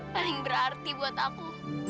paling berarti buat aku